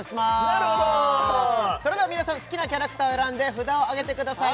なるほど皆さん好きなキャラクターを選んで札をあげてください